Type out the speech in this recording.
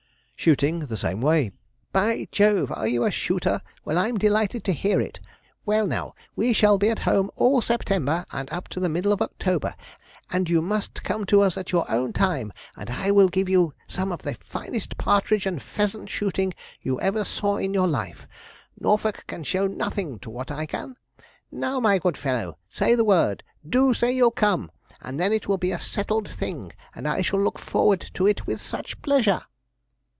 Shooting, the same way. 'By Jove! are you a shooter? Well, I'm delighted to hear it. Well, now, we shall be at home all September, and up to the middle of October, and you must just come to us at your own time, and I will give you some of the finest partridge and pheasant shooting you ever saw in your life; Norfolk can show nothing to what I can. Now, my good fellow, say the word; do say you'll come, and then it will be a settled thing, and I shall look forward to it with such pleasure!'